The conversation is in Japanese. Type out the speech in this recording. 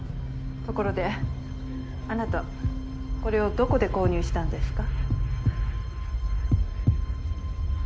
ところであなたこれをどこで購入したんですか？